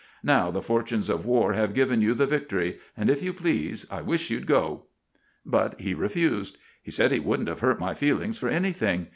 Now the fortunes of war have given you the victory, and, if you please, I wish you'd go.' "But he refused. He said he wouldn't have hurt my feelings for anything.